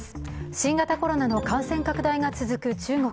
新型コロナの感染拡大が続く中国。